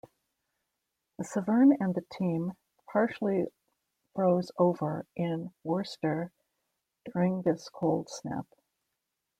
The Severn and the Teme partially froze over in Worcester during this cold snap.